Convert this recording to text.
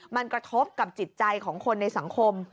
มันกระทบกับจิตใจของคนในสังคม